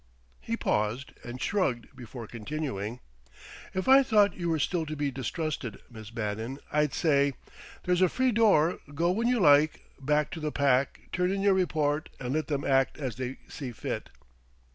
He paused and shrugged before continuing: "If I thought you were still to be distrusted, Miss Bannon, I'd say: 'There's a free door; go when you like, back to the Pack, turn in your report, and let them act as they see fit.'...